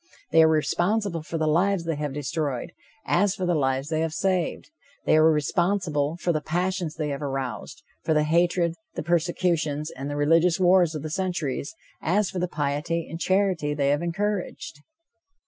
They are responsible for the lives they have destroyed, as for the lives they have saved. They are responsible for the passions they have aroused, for the hatred, the persecutions and the religious wars of the centuries, as for the piety and charity they have encouraged.